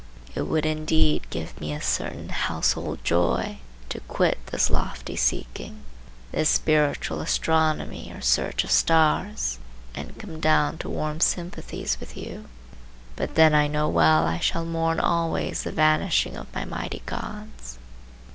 It would indeed give me a certain household joy to quit this lofty seeking, this spiritual astronomy or search of stars, and come down to warm sympathies with you; but then I know well I shall mourn always the vanishing of my mighty gods.